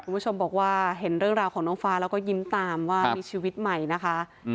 คุณผู้ชมบอกว่าเห็นเรื่องราวของน้องฟ้าแล้วก็ยิ้มตามว่ามีชีวิตใหม่นะคะ